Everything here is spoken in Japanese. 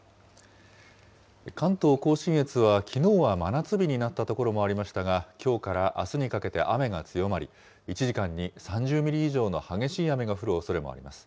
関東甲信越は、きのうは真夏日になった所もありましたが、きょうからあすにかけて雨が強まり、１時間に３０ミリ以上の激しい雨が降るおそれもあります。